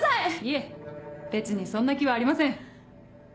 いえ別にそんな気はありません。